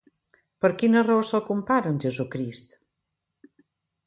Per quina raó se'l compara amb Jesucrist?